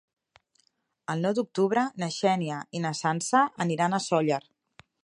El nou d'octubre na Xènia i na Sança aniran a Sóller.